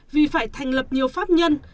vì phải thành lập nhiều pháp nhân